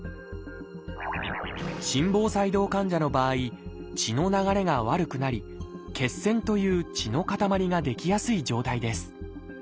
心房細動患者の場合血の流れが悪くなり「血栓」という血の塊が出来やすい状態です。